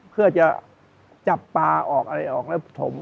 เพื่อจะจับปลาออกอะไรออกแล้วถม